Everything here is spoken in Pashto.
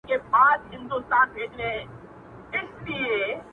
د بازانو د حملو کیسې کېدلې؛